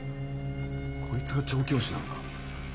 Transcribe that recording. こいつが調教師なのか？